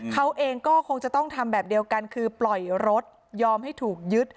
เขาเองก็คงจะต้องทำแบบเดียวกันคือปล่อยรถยอมให้ถูกยึด